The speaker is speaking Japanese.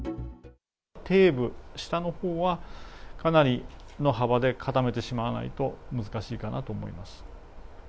底部、下のほうは、かなりの幅で固めてしまわないと難しいかなと思います。